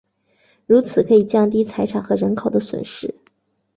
如此可以降低财产和人口的损失。